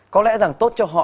có lẽ rằng tốt cho họ